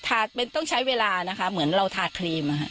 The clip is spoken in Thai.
ต้องใช้เวลานะคะเหมือนเราทาครีม